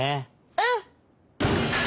うん！